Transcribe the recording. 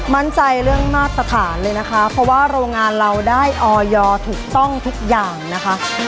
มั่นใจเรื่องมาตรฐานเลยนะคะเพราะว่าโรงงานเราได้ออยถูกต้องทุกอย่างนะคะ